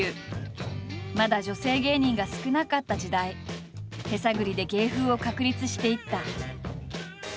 まだ女性芸人が少なかった時代手探りで芸風を確立していった。